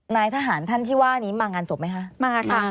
นายทหารท่านที่ว่านี้มางานศพไหมคะมาค่ะ